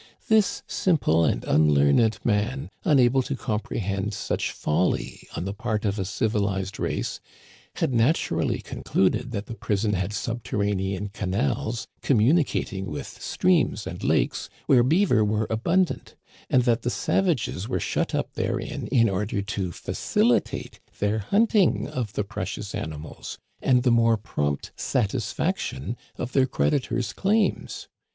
This sim ple and unlearned man, unable to comprehend such folly on the part of a civilized race, had naturally con cluded that the prison had subterranean canals commu nicating with streams and lakes where beaver were abundant, and that the savages were shut up therein in order to facilitate their hunting of the precious animals, and the more prompt satisfaction of their creditors' claims.